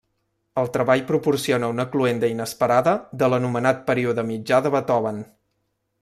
El treball proporciona una cloenda inesperada de l'anomenat període mitjà de Beethoven.